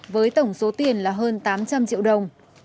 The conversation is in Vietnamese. với tổng số tiền là hơn tám trăm linh triệu đồng